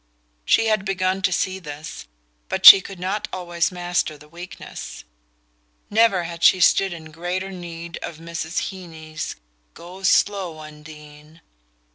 She had begun to see this, but she could not always master the weakness: never had she stood in greater need of Mrs. Heeny's "Go slow. Undine!"